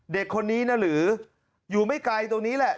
เด็กคนนี้นะหรืออยู่ไม่ไกลตรงนี้แหละ